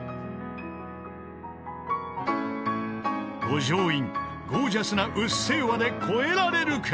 ［五条院ゴージャスな『うっせぇわ』で超えられるか］